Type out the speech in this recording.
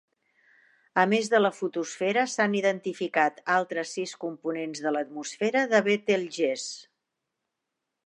A més de la fotosfera, s'han identificat altres sis components de l'atmosfera de Betelgeuse.